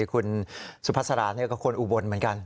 คุณสุพัศราก็ควรอุบลเหมือนกัน